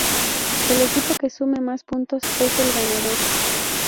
El equipo que sume más puntos es el ganador.